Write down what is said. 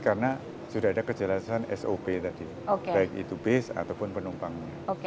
karena sudah ada kejelasan sop tadi baik itu base ataupun penumpangnya